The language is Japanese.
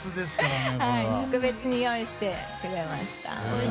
特別に用意してくれました。